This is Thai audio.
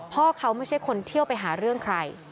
พ่อเขาไม่ใช่คนเที่ยวไปหาเรื่องใคร